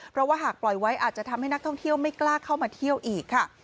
เพราะว่าหากปล่อยไว้อาจจะทำให้นักท่องเที่ยวไม่กล้าเข้ามาเที่ยวอีกค่ะ